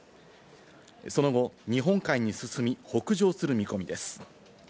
その後、日本海に進み、北上する見込みです。